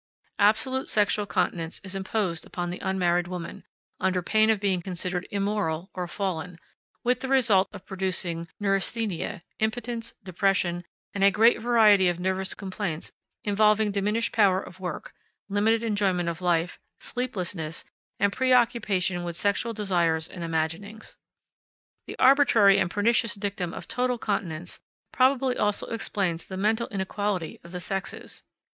Absolute sexual continence is imposed upon the unmarried woman, under pain of being considered immoral or fallen, with the result of producing neurasthenia, impotence, depression, and a great variety of nervous complaints involving diminished power of work, limited enjoyment of life, sleeplessness, and preoccupation with sexual desires and imaginings. The arbitrary and pernicious dictum of total continence probably also explains the mental inequality of the sexes.